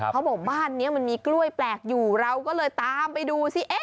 เขาบอกบ้านนี้มันมีกล้วยแปลกอยู่เราก็เลยตามไปดูสิ